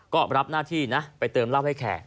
ก็รับหน้าที่นะไปเติมเหล้าให้แขก